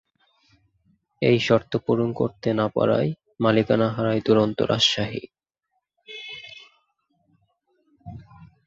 এই শর্ত পূরণ করতে না পারায় মালিকানা হারায় দুরন্ত রাজশাহী।